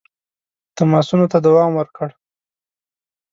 تماسونو ته دوام ورکړ.